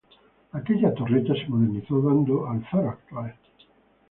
Aquella torreta se modernizó dando al faro actual.